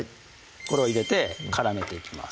これを入れて絡めていきます